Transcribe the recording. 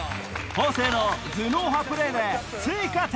方正の頭脳派プレーで追加点